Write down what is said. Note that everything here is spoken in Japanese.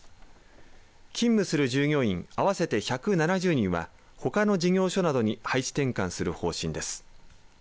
勤務する従業員合わせて１７０人はほかの事業所などに配置転換する方針です。